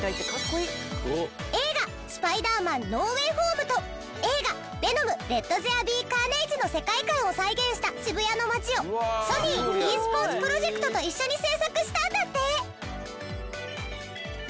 映画『スパイダーマン：ノー・ウェイ・ホーム』と映画『ヴェノム：レット・ゼア・ビー・カーネイジ』の世界観を再現した渋谷の街をＳｏｎｙＥｓｐｏｒｔｓＰｒｏｊｅｃｔと一緒に制作したんだって！